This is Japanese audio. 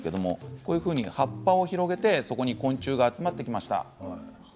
このように葉っぱを広げてそこに昆虫が集まってきました。